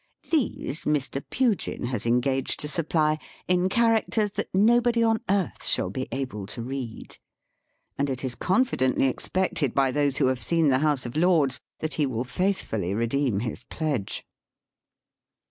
These MR. PUGIN has engaged to supply, in characters that nobody on earth shall be able to read. And it is con fidently expected by those who have seen the House of Lords, that he will faithfully redeem his pledge.